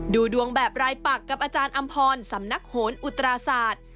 ดูดวงแบบรายปักกับอาจารย์อำพรสำนักโหนอุตราศาสตร์